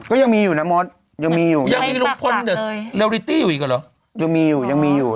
ก็ยังมีอยู่นะมสยังมีอยู่ยังมีนุ้งพลเลยยังมีอยู่ยังมีอยู่